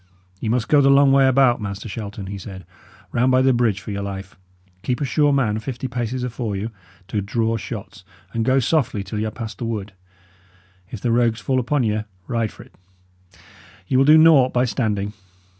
"Ye must go the long way about, Master Shelton," he said; "round by the bridge, for your life! Keep a sure man fifty paces afore you, to draw shots; and go softly till y' are past the wood. If the rogues fall upon you, ride for 't; ye will do naught by standing.